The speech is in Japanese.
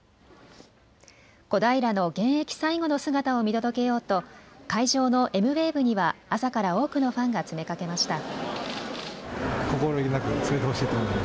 小平の現役最後の姿を見届けようと会場のエムウェーブには朝から多くのファンが詰めかけました。